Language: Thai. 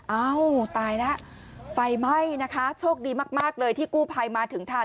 เอ้าตายแล้วไฟไหม้นะคะโชคดีมากเลยที่กู้ภัยมาถึงทัน